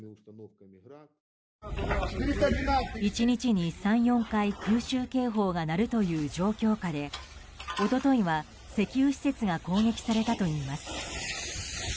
１日に３４回空襲警報が鳴るという状況下で一昨日は、石油施設が攻撃されたといいます。